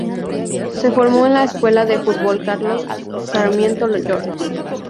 Se formó en la Escuela de Fútbol Carlos Sarmiento Lora.